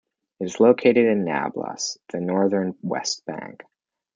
It is located in Nablus, in the northern West Bank.